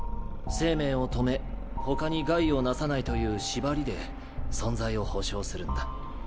生命を止めほかに害をなさないという縛りで存在を保障するんだ。